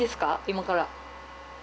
今から。